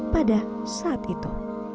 pada saat itu